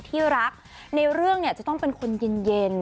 นี่ฉันอยากจะส่งเรื่องที่มันเกิดขึ้นในสังคมทุกวันนี้